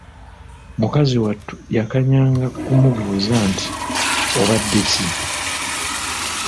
Mukazi wattu yakanyanga kumubuuza nti: Obadde ki?